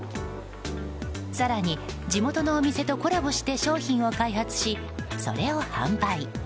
更に、地元のお店とコラボして商品を開発しそれを販売。